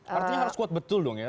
artinya harus kuat betul dong ya